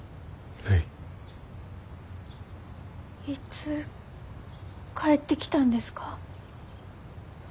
いつ帰ってきたんですか？